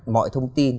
mọi thông tin